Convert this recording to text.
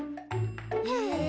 へえ。